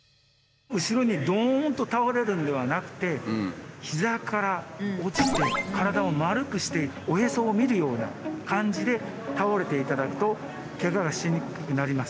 後ろにどんと倒れるんではなくて膝から落ちて体を丸くしておへそを見るような感じで倒れていただくとケガがしにくくなります。